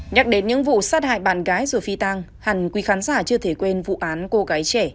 nhắc đến những vụ sát hại bạn gái rồi phi tăng hẳn quý khán giả chưa thể quên vụ án cô gái trẻ